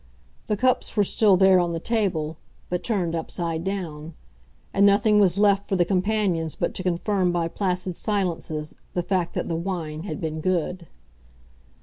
The cups were still there on the table, but turned upside down; and nothing was left for the companions but to confirm by placid silences the fact that the wine had been good.